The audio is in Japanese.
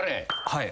はい。